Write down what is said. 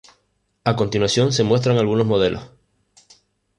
A continuación se muestran algunos modelos.